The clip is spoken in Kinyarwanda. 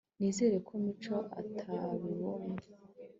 nizere ko mico atabibonye